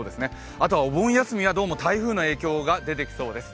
あとはお盆休みはどうも台風の影響が出てきそうです。